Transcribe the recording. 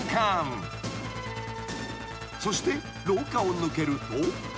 ［そして廊下を抜けると］